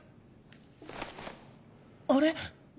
あれ？